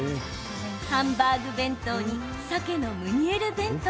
ハンバーグ弁当にさけのムニエル弁当。